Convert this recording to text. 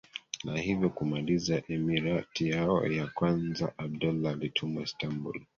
na hivyo kumaliza emirati yao ya kwanza Abdullah alitumwa Istanbul